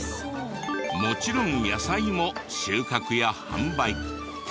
もちろん野菜も収穫や販売。